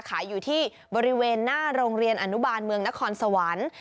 ขายอยู่ที่บริเวณหน้าโรงเรียนอนุบาลเมืองนครสวรรค์